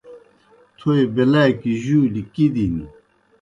تھوئے بیلاکیْ جُولیْ کِدِن۔